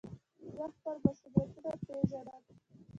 زه خپل مسئولیتونه پېژنم.